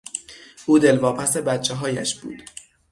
او دلواپس بچههایش بود.